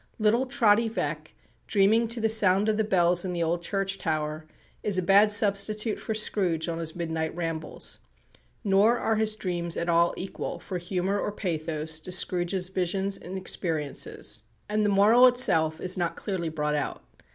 Little Trotty Veck, dreaming to the sound of the bells in the old church tower, is a bad substitute for Scrooge on his midnight rambles. Nor are his dreams at all equal, for humour or pathos, to Scrooge's visions and experiences. And the moral itself is not clearly brought out.